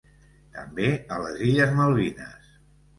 També a les illes Malvines.